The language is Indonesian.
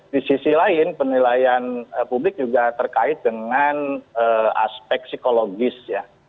di sisi lain penilaian publik juga terkait dengan aspek psikologis ya